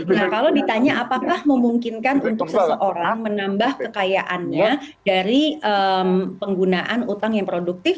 nah kalau ditanya apakah memungkinkan untuk seseorang menambah kekayaannya dari penggunaan utang yang produktif